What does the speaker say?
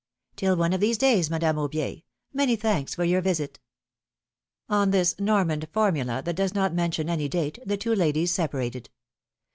'^ ^^Till one of these days, Madame Aubier; many thanks for your visit ! On this Normand formula, that does not mention any date, the two ladies separated.